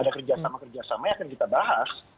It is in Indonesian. ada kerjasama kerjasama yang akan kita bahas